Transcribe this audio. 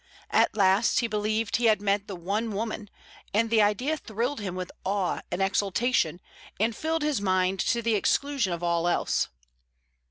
At last he believed he had met the one woman, and the idea thrilled him with awe and exultation, and filled his mind to the exclusion of all else.